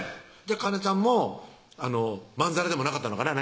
香菜ちゃんもまんざらでもなかったのかな？